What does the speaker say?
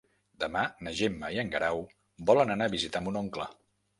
Demà na Gemma i en Guerau volen anar a visitar mon oncle.